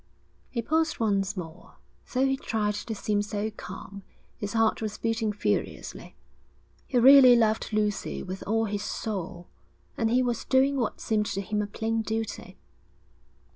He paused once more. Though he tried to seem so calm, his heart was beating furiously. He really loved Lucy with all his soul, and he was doing what seemed to him a plain duty.